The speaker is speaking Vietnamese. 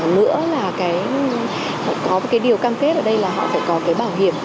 nữa là có cái điều cam kết ở đây là họ phải có cái bảo hiểm